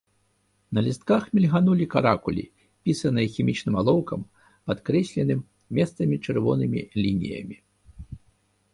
На лістках мільгалі каракулі, пісаныя хімічным алоўкам, падкрэсленым месцамі чырвонымі лініямі.